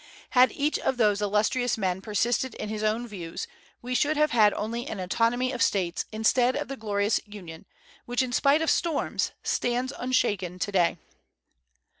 Had each of those illustrious men persisted in his own views, we should have had only an autonomy of States instead of the glorious Union, which in spite of storms stands unshaken to day.